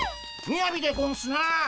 みやびでゴンスな。